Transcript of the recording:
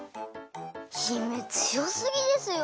姫つよすぎですよ。